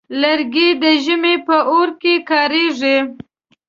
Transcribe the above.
لرګی د ژمي په اور کې کارېږي.